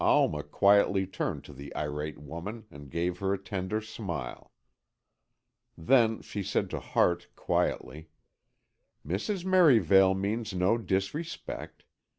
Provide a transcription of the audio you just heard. Alma quietly turned to the irate woman, and gave her a tender smile. Then she said to Hart, quietly: "Mrs. Merivale means no disrespect.